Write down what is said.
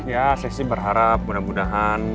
ya saya sih berharap mudah mudahan